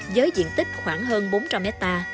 với diện tích khoảng hơn bốn trăm linh m hai